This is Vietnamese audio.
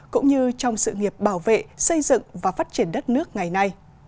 cũng như trong sự nghiệp bảo vệ xây dựng và phát triển đất nước ngày nay